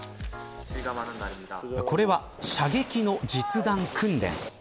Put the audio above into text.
これは射撃の実弾訓練です。